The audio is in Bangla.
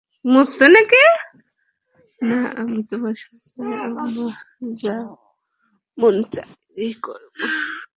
না, আমি তোমার সাথে আমার যা মন চায় করব।